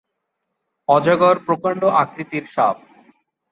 অজগর প্রকান্ড আকৃতির সাপ।